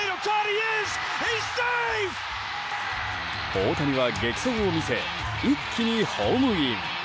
大谷は激走を見せ一気にホームイン。